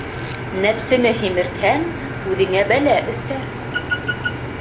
Нәпсене һимертһәң, үҙеңә бәлә өҫтәр.